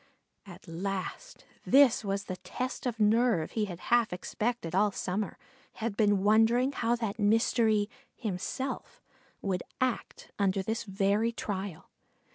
At last, this was the test of nerve he had half expected all summer; had been wondering how that mystery "himself" would act under this very trial.